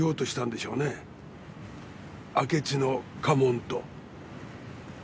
明智の家紋と。